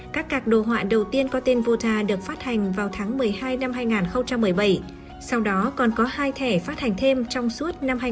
các tạc đồ họa đầu tiên có tên vota được phát hành vào tháng một mươi hai năm hai nghìn một mươi bảy sau đó còn có hai thẻ phát hành thêm trong suốt năm hai nghìn một mươi